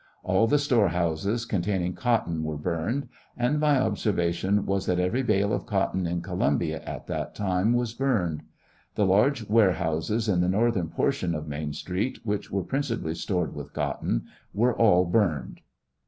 All the storehouses containing cotton were burned ; and my observation was, that every bale of cotton in Columbia at that time was burned. The large warehouses in the northern portion of Main street, which were principally stored with cotton, were all burned.